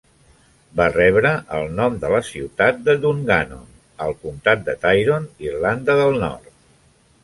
Va rebre el nom de la ciutat de Dungannon al comtat de Tyrone, Irlanda del Nord.